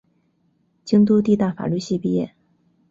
京都帝大法律系毕业。